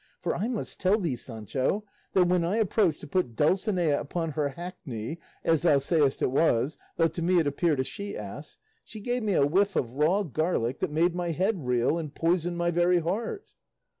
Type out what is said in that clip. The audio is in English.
For I must tell thee, Sancho, that when I approached to put Dulcinea upon her hackney (as thou sayest it was, though to me it appeared a she ass), she gave me a whiff of raw garlic that made my head reel, and poisoned my very heart."